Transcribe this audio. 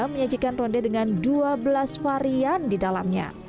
menyajikan ronde dengan dua belas varian di dalamnya